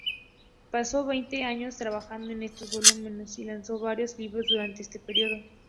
Pasó veinte años trabajando en estos volúmenes y lanzó varios libros durante este periodo.